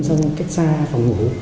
trong cách xa phòng ngủ